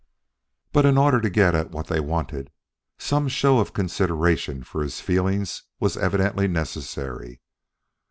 But in order to get at what they wanted, some show of consideration for his feelings was evidently necessary.